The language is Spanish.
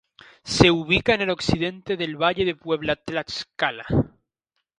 Se ubica en el occidente del valle de Puebla-Tlaxcala.